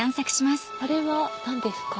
あれは何ですか？